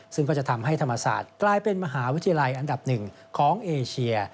ซึ่งก็จะทำให้ธรรมศาสตร์กลายเป็นมหาวิทยาลัยอันดับหนึ่งของเอเชีย